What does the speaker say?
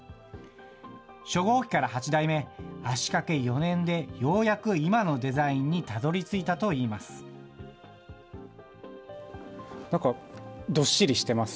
初号機から８台目、足かけ４年でようやく今のデザインにたどりついたといいます。